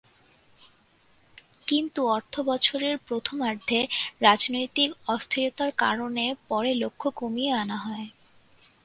কিন্তু অর্থবছরের প্রথমার্ধে রাজনৈতিক অস্থিরতার কারণে পরে লক্ষ্য কমিয়ে আনা হয়।